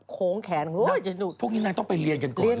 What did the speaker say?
โขงแขนพวกนี้น่าจะต้องไปเรียนกันก่อน